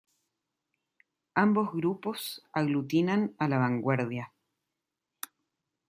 Ambos grupos aglutinan a la vanguardia.